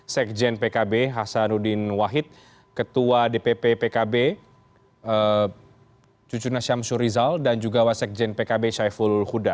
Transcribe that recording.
sekjen pkb hasanudin wahid ketua dpp pkb cucuna syamsur rizal dan juga wakil sekjen pkb syaiful huda